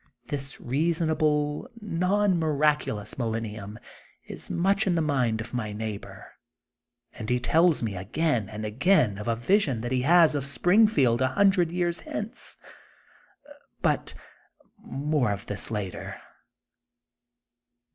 This reasonable, non miraculous millenium is much in the mind of my neigh bor, and he tells me again and again of a vision that he has of Springfield a hundred years hence. But more t>f this later.